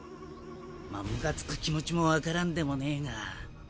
まあムカつく気持ちもわからんでもねえが。